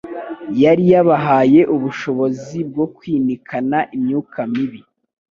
yari yabahaye ubushobozi bwo kwinikana imyuka mibi;